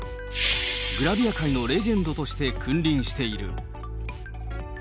グラビア界のレジェンドとして君臨している。